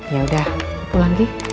yaudah pulang deh